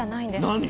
何？